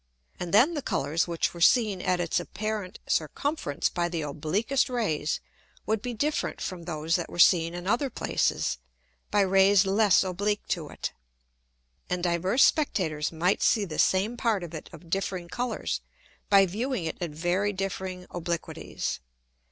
And then the Colours which were seen at its apparent circumference by the obliquest Rays, would be different from those that were seen in other places, by Rays less oblique to it. And divers Spectators might see the same part of it of differing Colours, by viewing it at very differing Obliquities.